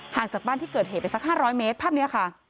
จากบ้านที่เกิดเหตุไปสัก๕๐๐เมตรภาพนี้ค่ะ